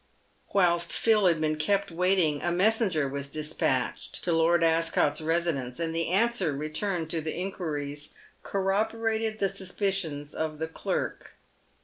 Whilst Phil had been kept waiting, a messenger was despatched to Lord Ascot's residence, and the answer returned to the inquiries corroborated the suspicions of the clerk.